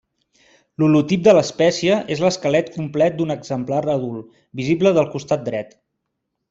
L'holotip de l'espècie és l'esquelet complet d'un exemplar adult, visible del costat dret.